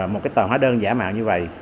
một cái tờ hóa đơn giả mạo như vầy